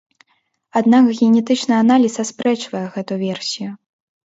Аднак генетычны аналіз аспрэчвае гэту версію.